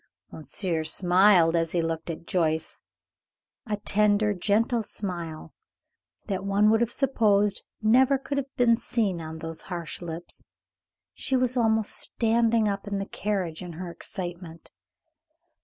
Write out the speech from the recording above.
Monsieur smiled as he looked at Joyce, a tender, gentle smile that one would have supposed never could have been seen on those harsh lips. She was almost standing up in the carriage, in her excitement.